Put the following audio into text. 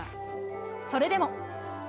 それでも。